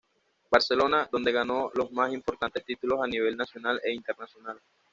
Barcelona, donde ganó los más importantes títulos a nivel nacional e internacional.